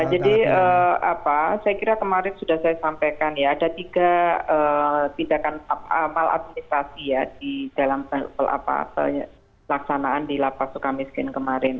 jadi apa saya kira kemarin sudah saya sampaikan ya ada tiga tindakan maladministrasi ya di dalam selaksanaan di lapas sukamiskin kemarin